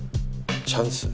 チャンス？